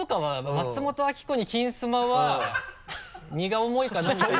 松本明子に「金スマ」は荷が重いかな？みたいな。